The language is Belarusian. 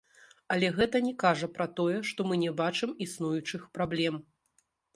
Але гэта не кажа пра тое, што мы не бачым існуючых праблем.